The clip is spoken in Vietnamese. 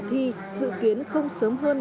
thi dự kiến không sớm hơn